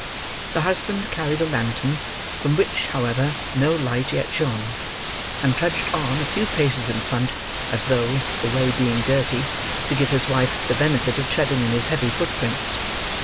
The husband carried a lantern, from which, however, no light yet shone; and trudged on, a few paces in front, as though—the way being dirty—to give his wife the benefit of treading in his heavy footprints.